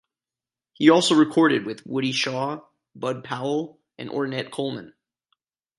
He also recorded with Woody Shaw, Bud Powell, and Ornette Coleman.